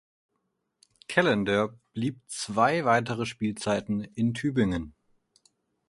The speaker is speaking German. Callender blieb zwei weitere Spielzeiten in Tübingen.